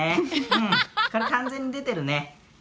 うんこれ完全に出てるねうん。